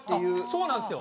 そうなんですよ。